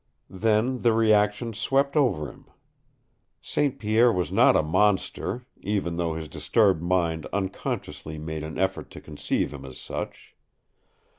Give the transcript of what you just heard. Then the reaction swept over him. St. Pierre was not a monster, even though his disturbed mind unconsciously made an effort to conceive him as such.